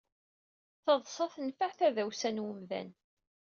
Taḍṣa tenfeɛ tadawsa n umdan.